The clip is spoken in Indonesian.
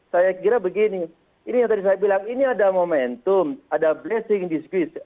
saya kira begini ini yang tadi saya bilang ini ada momentum ada blessing dispute